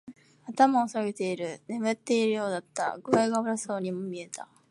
頭を下げている。眠っているようだった。具合が悪そうにも見えた。